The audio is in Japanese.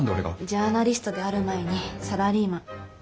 ジャーナリストである前にサラリーマン。